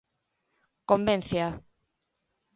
Convéncea.